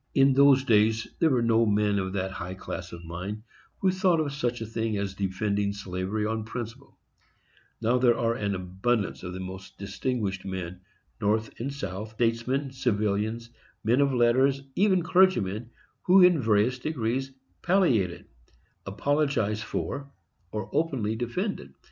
In those days there were no men of that high class of mind who thought of such a thing as defending slavery on principle: now there are an abundance of the most distinguished men, North and South, statesmen, civilians, men of letters, even clergymen, who in various degrees palliate it, apologize for or openly defend it.